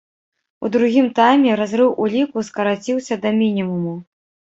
У другім тайме разрыў у ліку скараціўся да мінімуму.